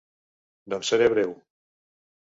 Doncs seré breu.